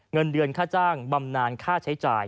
เงินเดือนค่าจ้างบำนานค่าใช้จ่าย